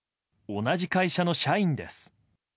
同じ会社の社員です。